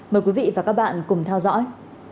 mời quý vị và các bạn cùng theo dõi